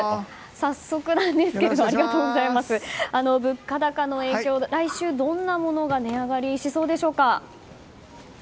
早速なんですが、物価高の影響来週はどんなものが値上がりしそうでしょうか。